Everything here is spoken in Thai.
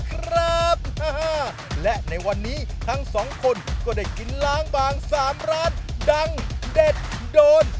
ครับและในวันนี้ทั้งสองคนก็ได้กินล้างบาง๓ร้านดังเด็ดโดน